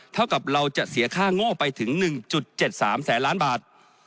เท่ากับเราจะเสียค่าโง่ไปถึง๑๗๓แสนล้านบาท